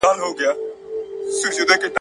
پړانګ چي هر څه منډي وکړې لاندي باندي .